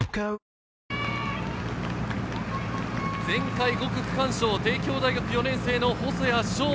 前回５区区間賞、帝京大学４年生・細谷翔